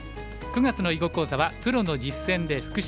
９月の囲碁講座は「プロの実戦で復習しよう」。